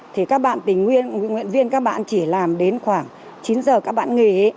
thì các bạn tình nguyên nguyện viên các bạn chỉ làm đến khoảng chín giờ các bạn nghỉ